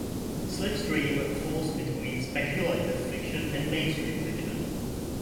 Slipstream falls between speculative fiction and mainstream fiction.